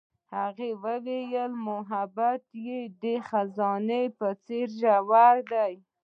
هغې وویل محبت یې د خزان په څېر ژور دی.